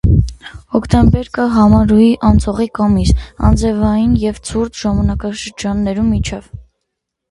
Հոկտեմբեր կը համարուի անցողիկ ամիս՝ անձրեւային եւ ցուրտ ժամանակաշրջաններու միջեւ։